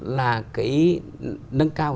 là cái nâng cao